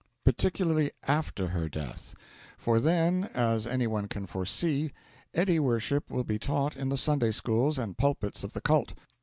Particularly after her death; for then, as anyone can foresee, Eddy worship will be taught in the Sunday schools and pulpits of the cult.